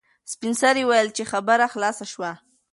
سپین سرې وویل چې خبره خلاصه شوه.